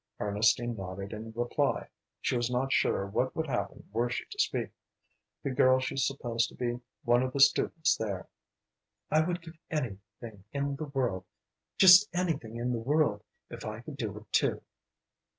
Ernestine nodded in reply. She was not sure what would happen were she to speak. The girl she supposed to be one of the students there. "I would give anything in the world just anything in the world if I could do it too!"